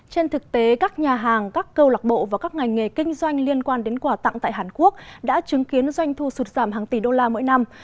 trên thực tế các nhà hàng các câu lạc bộ và các ngành nghề kinh doanh liên quan đến quà tặng tại hàn quốc đã chứng kiến doanh thu sụt giảm hàng tỷ đô la mỗi năm